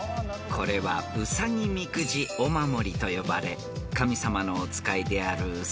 ［これはうさぎみくじお守りと呼ばれ神様のお使いであるうさぎがモチーフ］